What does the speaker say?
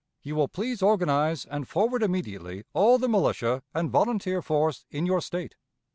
You will please organize and forward immediately all the militia and volunteer force in your State.